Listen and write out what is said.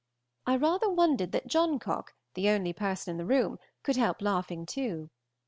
I rather wondered that Johncock, the only person in the room, could help laughing too.